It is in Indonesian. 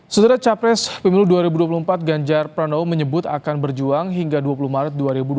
saudara capres pemilu dua ribu dua puluh empat ganjar pranowo menyebut akan berjuang hingga dua puluh maret dua ribu dua puluh